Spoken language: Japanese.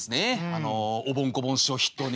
あのおぼん・こぼん師匠を筆頭に。